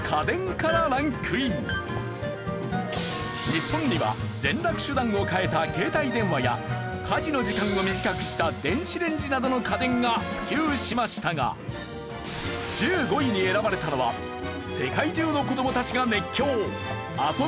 日本には連絡手段を変えた携帯電話や家事の時間を短くした電子レンジなどの家電が普及しましたが１５位に選ばれたのは整理券？